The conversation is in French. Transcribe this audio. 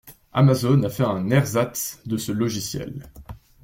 Amazon a fait un ersatz de ce logiciel.